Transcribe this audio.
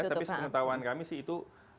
tapi sepengetahuan kami sih itu